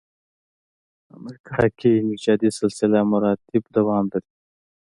امریکا کې نژادي سلسله مراتبو دوام لري.